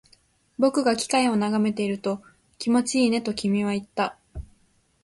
僕が機械を眺めていると、気持ちいいねと君は言った